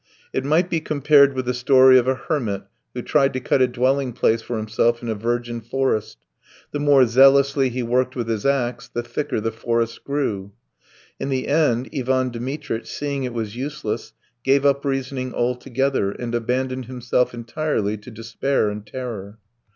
It might be compared with the story of a hermit who tried to cut a dwelling place for himself in a virgin forest; the more zealously he worked with his axe, the thicker the forest grew. In the end Ivan Dmitritch, seeing it was useless, gave up reasoning altogether, and abandoned himself entirely to despair and terror.